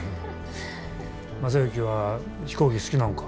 正行は飛行機好きなんか？